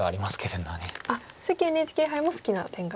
関ＮＨＫ杯も好きな展開。